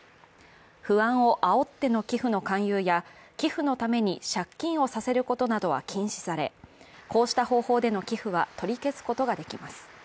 不安をあおっての寄付の勧誘や、寄付のために借金をさせることなどは禁止され、こうした方法での寄付は取り消すことができます。